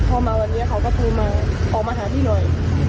พอมาวันนี้เขาก็โทรมาออกมาหาพี่หน่อย